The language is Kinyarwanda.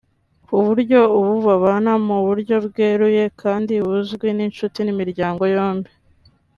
kuburyo ubu babana mu buryo bweruye kandi buzwi n’inshuti n’imiryango yombi